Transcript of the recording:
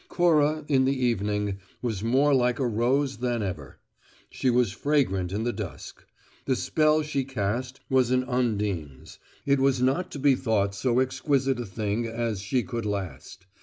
Cora, in the evening, was more like a rose than ever. She was fragrant in the dusk. The spell she cast was an Undine's: it was not to be thought so exquisite a thing as she could last.